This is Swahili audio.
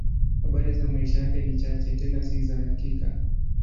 Habari za maisha yake ni chache, tena si za hakika.